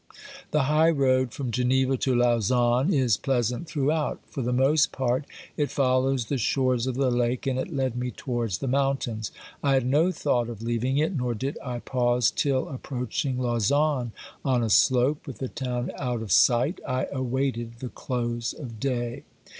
The high road from Geneva to Lausanne is pleasant throughout ; for the most part it follows the shores of the lake, and it led me towards the mountains. I had no thought of leaving it, nor did I pause till, approach ing Lausanne, on a slope, with the town out of sight, I awaited the close of day.